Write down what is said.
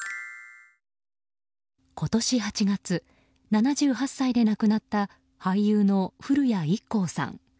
今年８月、７８歳で亡くなった俳優の古谷一行さん。